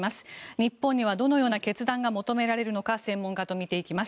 日本にはどのような決断が求められるのか専門家と見ていきます。